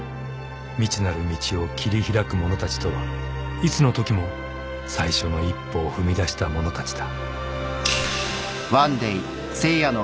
［未知なる道を切り開く者たちとはいつのときも最初の一歩を踏み出した者たちだ］